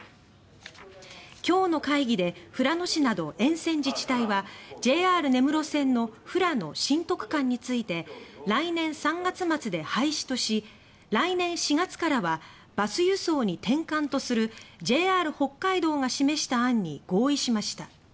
今日の会議で富良野市など沿線自治体はＪＲ根室線の富良野・新得間について来年３月末で廃止とし来年４月からはバス輸送に転換とするＪＲ北海道が示した案に合意しました。